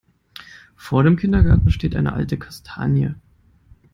Vor dem Kindergarten steht eine alte Kastanie.